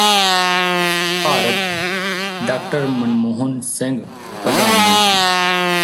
ਭਾਰਤ ਡਾ ਮਨਮੋਹਨ ਸਿੰਘ ਪ੍ਰਧਾਨ ਮੰਤਰੀ